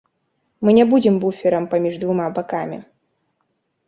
Мы не будзем буферам паміж двума бакамі.